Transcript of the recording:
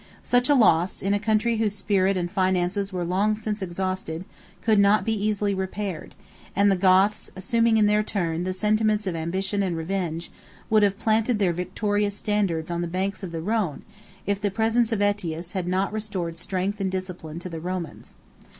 12 Such a loss, in a country whose spirit and finances were long since exhausted, could not easily be repaired; and the Goths, assuming, in their turn, the sentiments of ambition and revenge, would have planted their victorious standards on the banks of the Rhone, if the presence of Ætius had not restored strength and discipline to the Romans.